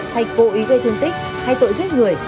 thạch cố ý gây thương tích hay tội giết người